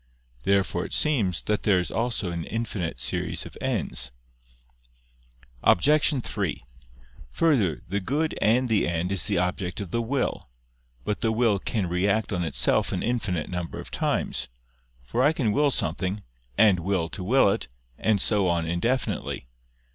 Therefore it seems that there is also an infinite series of ends. Obj. 3: Further, the good and the end is the object of the will. But the will can react on itself an infinite number of times: for I can will something, and will to will it, and so on indefinitely.